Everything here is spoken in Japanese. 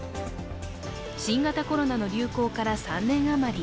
新型コロナの流行から３年余り。